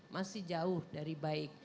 masih jauh dari baik